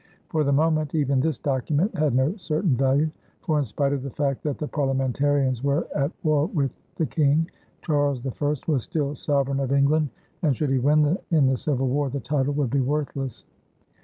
For the moment even this document had no certain value, for, in spite of the fact that the parliamentarians were at war with the King, Charles I was still sovereign of England and should he win in the Civil War the title would be worthless.